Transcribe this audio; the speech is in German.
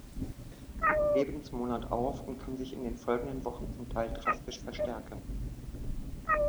Lebensmonat auf und kann sich in den folgenden Wochen zum Teil drastisch verstärken.